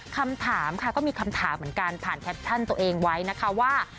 คำถามค่ะก็มีคำถามเหมือนกันผ่านแคปชั่นตัวเองไว้นะคะว่า